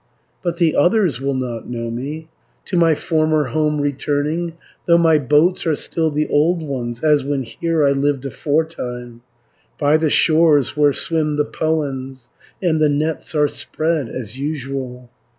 "But the others will not know me, To my former home returning, Though my boats are still the old ones, As when here I lived aforetime, 440 By the shores where swim the powans, And the nets are spread as usual.